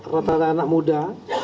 rata rata anak muda